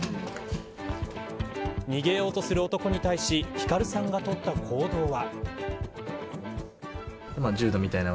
逃げようとする男に対し輝さんがとった行動は。